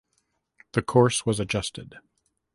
The course was adjusted.